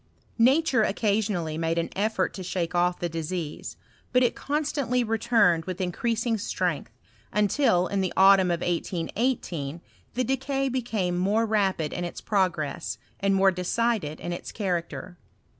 Nature occasionally made an effort to shake off the disease ; but it constantly returned with in creasing strength, until, in the autumn of 1818, the decay became more rapid in its progress, and more^ decided in its character.